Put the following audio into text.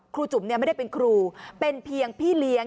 จุ๋มไม่ได้เป็นครูเป็นเพียงพี่เลี้ยง